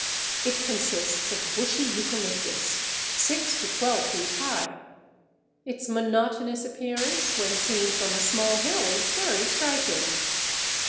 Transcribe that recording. It consists of bushy Eucalyptus, six to twelve feet high. Its monotonous appearance when seen from a small hill is very striking.